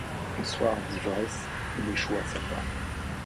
Un soir d'ivresse, il échoue à sa porte.